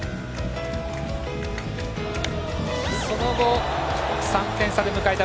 その後、３点差で迎えた